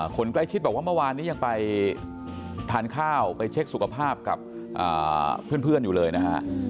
คนใกล้ชิดบอกว่าเมื่อวานนี้ยังไปทานข้าวไปเช็คสุขภาพกับเพื่อนอยู่เลยนะฮะ